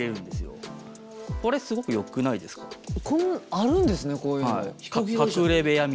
あるんですねこういうの。